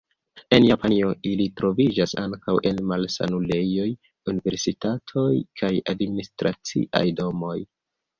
En Japanio, ili troviĝas ankaŭ en malsanulejoj, universitatoj kaj administraciaj domoj.